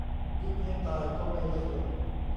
ยุบให้ตายก็ไม่เลือกลุง